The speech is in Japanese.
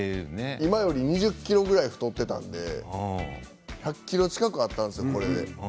今より２０ｋｇぐらい太っていたので、１００ｋｇ近くぐらいあったんですよ。